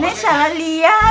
nenek salah liat